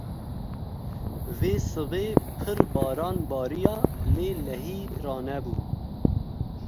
Vê sibê pir baran bariya lê lehî ranebû.